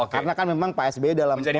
karena kan memang pak sbe dalam posisi